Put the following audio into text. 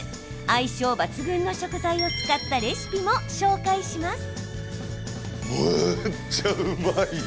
相性抜群の食材を使ったレシピも紹介します。